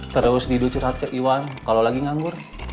terus tidur curhat ke iwan kalau lagi nganggur